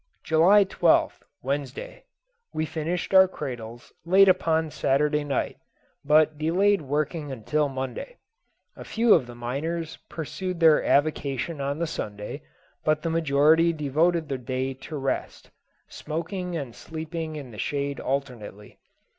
July 12th, Wednesday. We finished our cradles late upon Saturday night, but delayed working until Monday. A few of the miners pursued their avocation on the Sunday, but the majority devoted the day to rest smoking and sleeping in the shade alternately.